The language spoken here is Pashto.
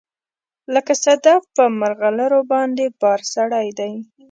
لکه صدف په مرغلروباندې بار سړی دی